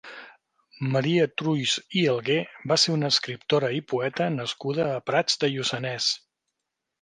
Maria Trulls i Algué va ser una escriptora i poeta nascuda a Prats de Lluçanès.